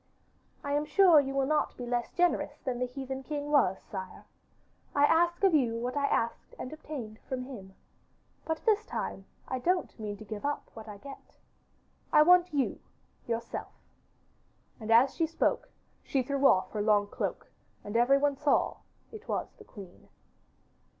'I am sure you will not be less generous than the heathen king was, sire. I ask of you what I asked and obtained from him. But this time I don't mean to give up what I get. I want YOU yourself!' And as she spoke she threw off her long cloak and everyone saw it was the queen.